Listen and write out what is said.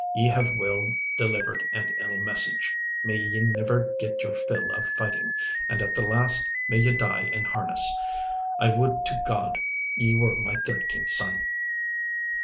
Ye have well delivered an ill message. May ye never get your fill of fighting, and at the last may you die in harness. I would to God ye were my thirteenth son!